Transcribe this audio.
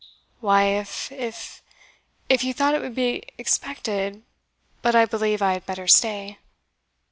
"Why, if if if you thought it would be expected but I believe I had better stay."